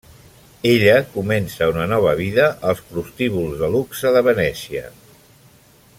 Ella comença una nova vida als prostíbuls de luxe de Venècia.